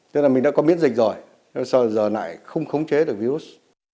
tức là mình đã có biến dịch rồi do sao giờ này không khống chế được virus